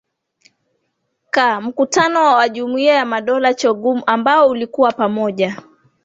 K mkutano wa jumuiya ya madola chogum ambao ulikuwa pamoja